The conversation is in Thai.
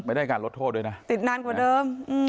ไม่ได้การลดโทษด้วยนะติดนานกว่าเดิม